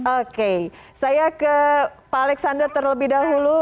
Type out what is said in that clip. oke saya ke pak alexander terlebih dahulu